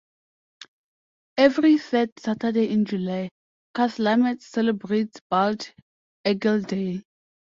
Every third Saturday in July, Cathlamet celebrates "Bald Eagle Day".